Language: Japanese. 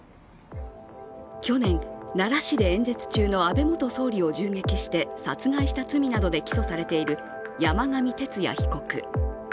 去年、奈良市で演説中の安倍元総理を銃撃して殺害した罪などで起訴されている山上徹也被告